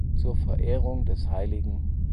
Zur Verehrung des hl.